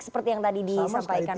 seperti yang tadi disampaikan